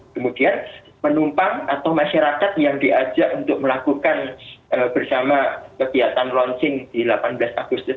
kemudian penumpang atau masyarakat yang diajak untuk melakukan bersama kegiatan launching di delapan belas agustus